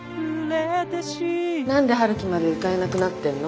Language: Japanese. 何で陽樹まで歌えなくなってんの？